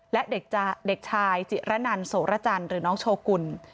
และเด็กชายจิระนันโสรจันทร์หรือน้องโชกุล